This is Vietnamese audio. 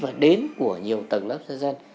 và đến của nhiều tầng lớp dân dân